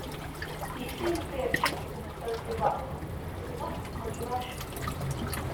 Hugely influential in the folk-revival, it was often controversial.